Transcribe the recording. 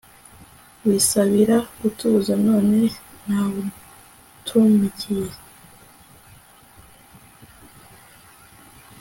Wisabira gutuza None ndawutumikiye